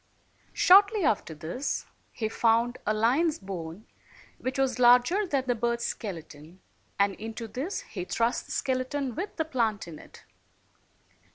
Shortly after this he found a lion's bone which was larger than the bird's skeleton, and into this he thrust the skeleton, with the plant in it.